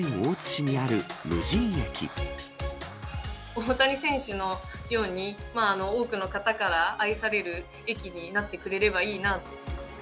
大谷選手のように、多くの方から愛される駅になってくれればいいなって。